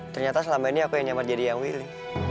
ternyata selama ini aku yang nyamar jadi yang willy